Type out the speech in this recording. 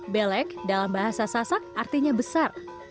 belek dalam bahasa sasak artinya besar